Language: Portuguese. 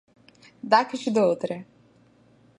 Dá que te dou outra!